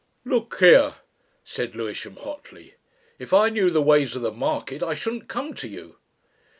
"Look here!" said Lewisham hotly; "if I knew the ways of the market I shouldn't come to you."